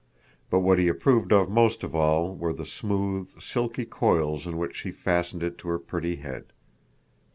But what he approved of most of all were the smooth, silky coils in which she fastened it to her pretty head.